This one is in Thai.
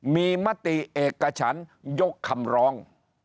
มีมติเอกฉันยกคำร้อง